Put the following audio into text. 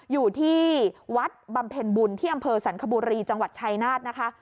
อยู่ที่วัดบำเพ็ญบุญที่อำเภอสรรคบุรีจังหวัดชายนาฏนะคะ